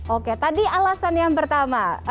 oke tadi alasan yang pertama